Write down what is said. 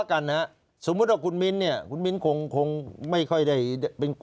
กันนะฮะสมมุติว่าคุณมิ้นเนี่ยคุณมิ้นคงคงไม่ค่อยได้เป็น